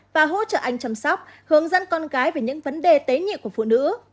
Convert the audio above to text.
và hỗ trợ anh chăm sóc hướng dẫn con gái về những vấn đề tế nhị của phụ nữ